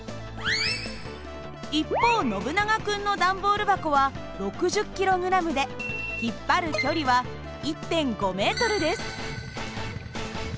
一方ノブナガ君の段ボール箱は６０ｋｇで引っ張る距離は１．５ｍです。